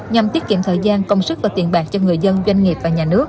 nhằm tiết kiệm thời gian công sức và tiền bạc cho người dân doanh nghiệp và nhà nước